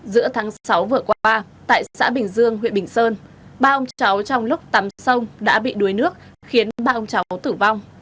giữa tháng sáu vừa qua tại xã bình dương huyện bình sơn ba ông cháu trong lúc tắm sông đã bị đuối nước khiến ba ông cháu tử vong